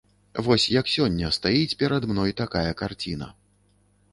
Вось як сёння стаіць перад мной такая карціна.